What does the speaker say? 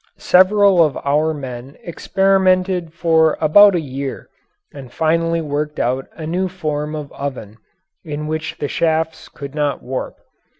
Several of our men experimented for about a year and finally worked out a new form of oven in which the shafts could not warp.